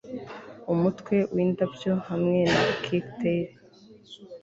umutwe windabyo, hamwe na kirtle